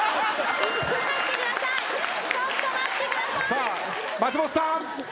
さあ松本さん。